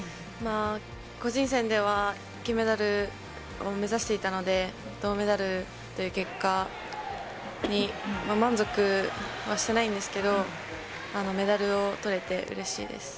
個人戦では金メダルを目指していたので、銅メダルという結果に満足はしてないんですけど、メダルをとれてうれしいです。